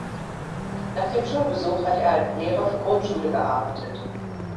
Nach dem Schulbesuch hat er als Lehrer für Grundschule gearbeitet.